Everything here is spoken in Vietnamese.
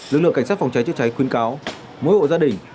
lực lượng cảnh sát phòng cháy chữa cháy khuyên cáo mỗi hộ gia đình